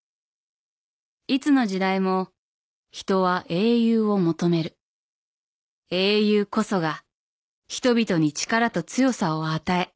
「いつの時代も人は英雄を求める」「英雄こそが人々に力と強さを与え